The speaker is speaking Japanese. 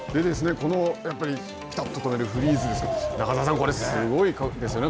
このぴたっと止めるフリーズですけど、中澤さん、すごいですよね。